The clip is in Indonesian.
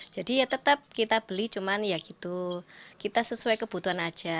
jadi tetap kita beli cuma kita sesuai kebutuhan saja